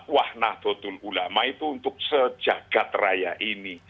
wah nahdlatul ulama itu untuk sejagat raya ini